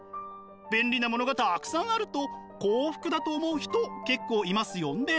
便利なものがたくさんあると幸福だと思う人結構いますよね。